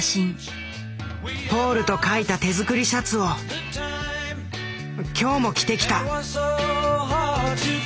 「ＰＡＵＬ」とかいた手作りシャツを今日も着てきた。